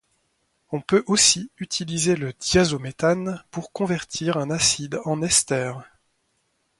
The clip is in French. On peut aussi utiliser le diazométhane pour convertir un acide en ester.